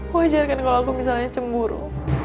wajar kan kalau aku misalnya cemburu